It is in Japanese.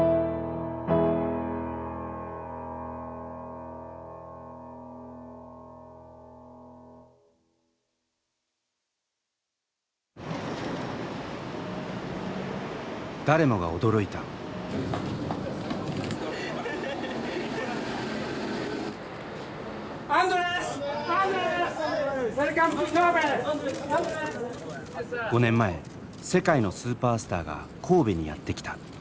５年前世界のスーパースターが神戸にやって来た。